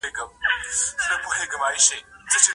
چېري خلګ د پناه غوښتنه کوي؟